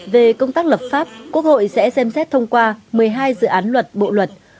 về công tác lập pháp quốc hội sẽ xem xét thông qua một mươi hai dự án luật bộ luật